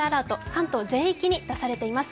関東全域に出されています